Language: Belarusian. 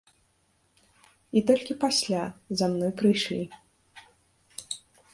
І толькі пасля за мной прыйшлі.